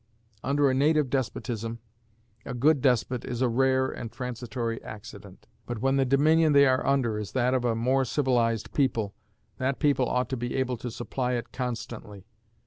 Under a native despotism, a good despot is a rare and transitory accident; but when the dominion they are under is that of a more civilized people, that people ought to be able to supply it constantly.